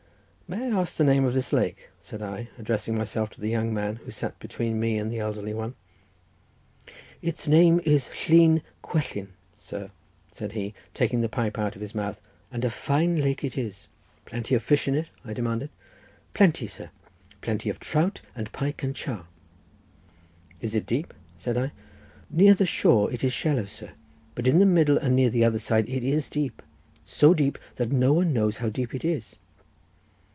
"May I ask the name of this lake?" said I, addressing myself to the young man, who sat between me and the elderly one. "Its name is Llyn Cwellyn, sir," said he, taking the pipe out of his mouth. "And a fine lake it is." "Plenty of fish in it?" I demanded. "Plenty, sir; plenty of trout and pike and char." "Is it deep?" said I. "Near the shore it is shallow, sir, but in the middle and near the other side it is deep, so deep that no one knows how deep it is."